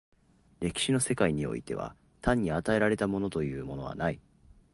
歴史の世界においては単に与えられたものというものはない。